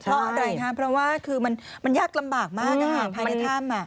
เพราะอะไรคะเพราะว่าคือมันยากลำบากมากภายในถ้ำ